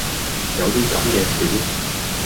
有啲咁嘅樹?